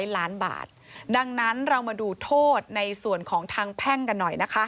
บาทดังนั้นเรามาดูโทษในส่วนของทางแพ่งกันหน่อยนะคะ